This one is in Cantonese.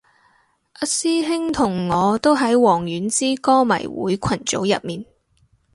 阿師兄同我都喺王菀之歌迷會群組入面